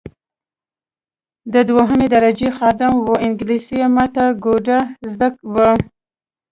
دی دوهمه درجه خادم وو انګلیسي یې ماته ګوډه زده وه.